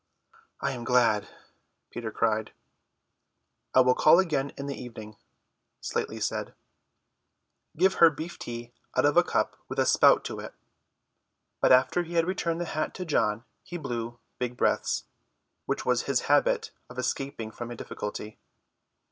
"I am glad!" Peter cried. "I will call again in the evening," Slightly said; "give her beef tea out of a cup with a spout to it;" but after he had returned the hat to John he blew big breaths, which was his habit on escaping from a difficulty.